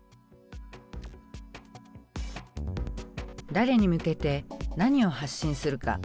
誰に向けて何を発信するか。